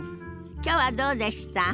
きょうはどうでした？